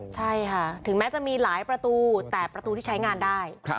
ใช่ค่ะถึงแม้จะมีหลายประตูแต่ประตูที่ใช้งานได้